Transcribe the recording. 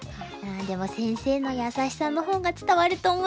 ああでも先生の優しさの方が伝わると思いますよ。